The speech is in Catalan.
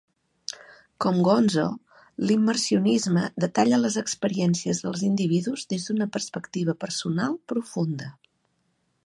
Com Gonzo, l'immersionisme detalla les experiències dels individus des d'una perspectiva personal profunda.